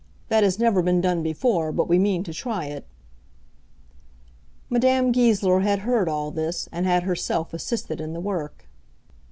That has never been done before, but we mean to try it." Madame Goesler had heard all this, and had herself assisted in the work.